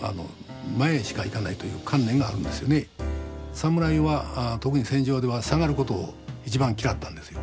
侍は特に戦場では下がることを一番嫌ったんですよ。